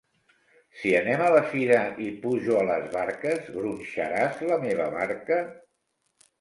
Si anem a la fira i pujo a les barques, gronxaràs la meva barca?